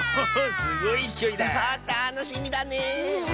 たのしみだねえ！